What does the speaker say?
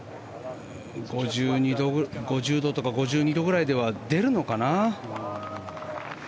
５０度とか５２度くらいでは出るのかな。